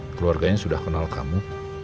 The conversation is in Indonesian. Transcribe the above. keluarganya sudah kenal kamu